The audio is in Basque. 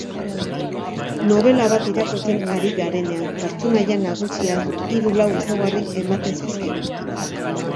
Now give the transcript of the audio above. Nobela bat irakurtzen ari garenean, pertsonaia nagusiaz hiru-lau ezaugarri ematen zaizkigu.